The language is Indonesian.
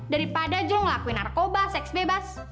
daripada jules ngelakuin narkoba seks bebas